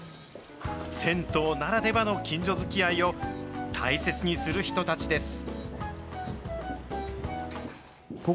銭湯ならではの近所づきあいを大切にする人たちです。